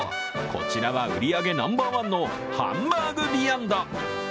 こちらは売り上げナンバーワンのハンバーグヴィアンド。